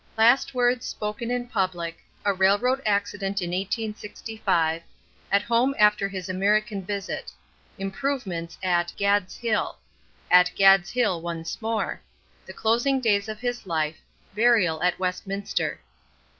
Last words spoken in public.—A railroad accident in 1865.—At home after his American visit.—"Improvements" at "Gad's Hill."—At "Gad's Hill" once more.—The closing days of his life.—Burial at Westminster.